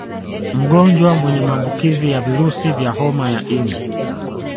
Mgonjwa mwenye maambukizi ya virusi vya homa ya ini